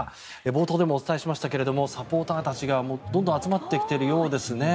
冒頭でもお伝えしましたがサポーターたちがどんどん集まってきているようですね。